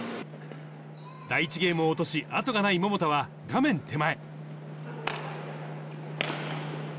第１ゲームを落とし、後がない桃田は画面手前。